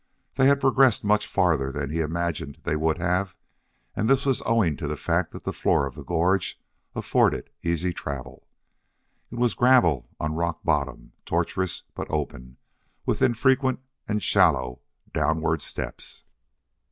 They had progressed much farther than he imagined they would have, and this was owing to the fact that the floor of the gorge afforded easy travel. It was gravel on rock bottom, tortuous, but open, with infrequent and shallow downward steps.